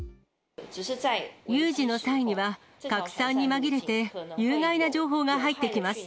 有事の際には、拡散に紛れて、有害な情報が入ってきます。